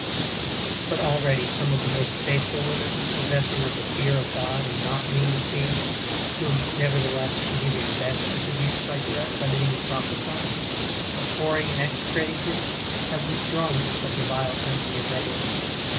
4. But already some of the most faithful women, possessed of the fear of God, and not being deceived (whom, never theless, he did his best to seduce like the rest by bidding them prophesy), abhorring and execrating him, have with drawn from such a vile company of revellers.